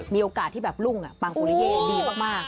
มีโอกาสที่แบบรุ่งอ่ะปางโบราเยดีกว่ามาก